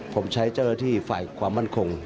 ผมใช้เจ้าหน้าที่ฝ่ายความมั่นคง